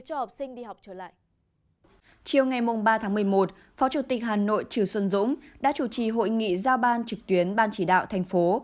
chủ tịch hà nội trừ xuân dũng đã chủ trì hội nghị giao ban trực tuyến ban chỉ đạo thành phố